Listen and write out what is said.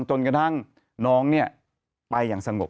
จนกระทั่งน้องไปอย่างสงบ